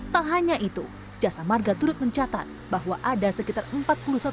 tak hanya itu jasa marga turut mencatat bahwa ada sekitar empat puluh satu